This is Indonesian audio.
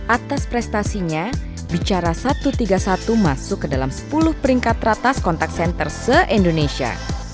atas prestasinya bicara satu ratus tiga satu masuk ke dalam sepuluh peringkat teratas kontak senter se indonesia